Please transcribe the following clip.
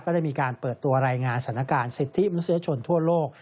ได้มีการเปิดตัวรายงานสถานการณ์สิทธิมนุษยชนทั่วโลก